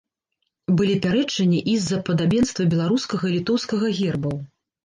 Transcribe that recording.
Былі пярэчанні і з-за падабенства беларускага і літоўскага гербаў.